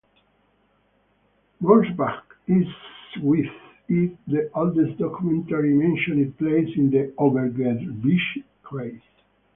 Morsbach is with it the eldest documentary mentioned place in the Oberbergischer Kreis.